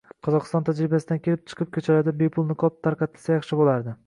Qozog'iston tajribasidan kelib chiqib, ko'chalarda bepul niqob tarqatilsa yaxshi bo'lardi